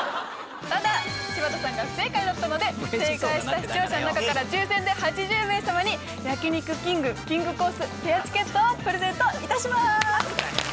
ただ柴田さんが不正解だったので正解した視聴者の中から抽選で８０名様に焼肉きんぐきんぐコースペアチケットをプレゼントいたします。